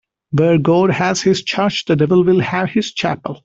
Where God has his church, the devil will have his chapel.